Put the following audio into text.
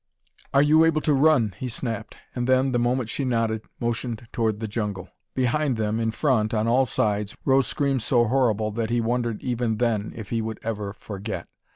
"Are you able to run?" he snapped, and then, the moment she nodded, motioned toward the jungle. Behind them, in front, on all sides, rose screams so horrible that he wondered even then if he would ever forget.